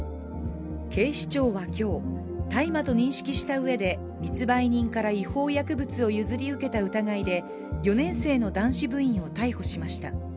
警視庁は今日、大麻と認識したうえで密売人から違法薬物を譲り受けた疑いで４年生の男子部員を逮捕しました。